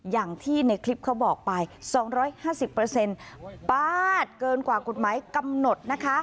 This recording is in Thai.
อย่างที่ในคลิปเขาบอกไป๒๕๐ปาดเกินกว่ากฎหมายกำหนดนะคะ